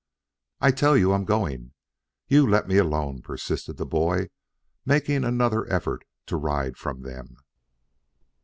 "I tell you I'm going. You let me alone," persisted the boy, making another effort to ride from them.